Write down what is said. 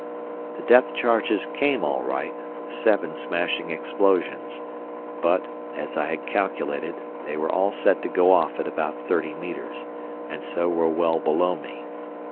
The depth charges came all right, seven smashing explosions, but, as I had calculated, they were set to go off at about thirty metres, and so were well below me.